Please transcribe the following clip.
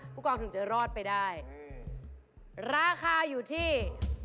ผู้กองถึงจะรอดไปได้ราคาอยู่ที่